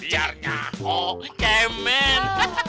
biar nyahok kemen